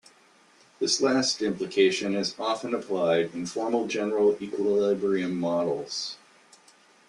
This last implication is often applied in formal general equilibrium models.